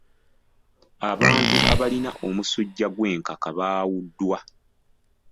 Abantu abalina omusujja gw'enkaka baawuddwa.